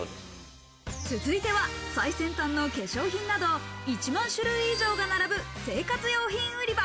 続いては最先端の化粧品など、１万種類以上が並ぶ生活用品売り場。